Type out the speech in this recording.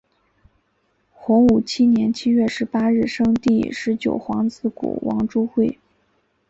洪武七年七月十八日生第十九皇子谷王朱橞。